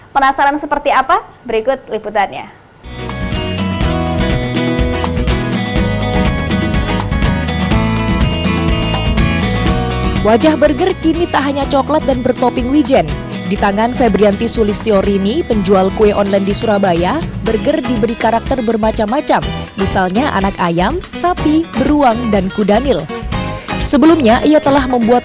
penasaran seperti apa berikut liputannya